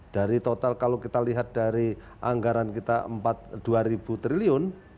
dari total kalau kita lihat dari anggaran kita empat dua ribu triliun